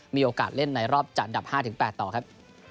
มีโอกาสเล่นในรอบจากดับ๕ถึง๘ต่อครับ